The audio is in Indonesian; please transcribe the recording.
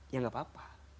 ya tidak apa apa